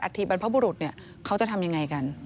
ทีบรรพบุรุษเขาจะทำยังไงกัน